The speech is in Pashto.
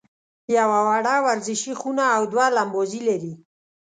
یوه وړه ورزشي خونه او دوه لمباځي لري.